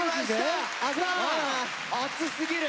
熱すぎる！